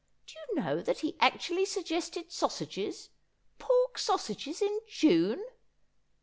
Do you know that he actually suggested sausages — pork sausages in J une